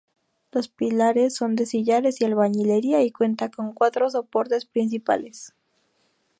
Los pilares son de sillares y albañilería y cuenta con cuatro soportes principales.